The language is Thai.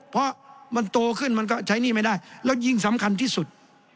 เพราะมันโตขึ้นมันก็ใช้หนี้ไม่ได้แล้วยิ่งสำคัญที่สุด